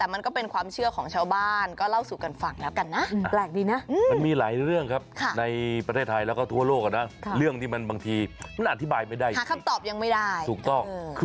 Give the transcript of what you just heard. มันอธิบายไม่ได้หาคำตอบยังไม่ได้ถูกต้อง